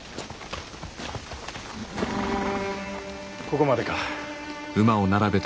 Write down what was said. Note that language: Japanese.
ここまでか。